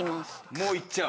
もう言っちゃう。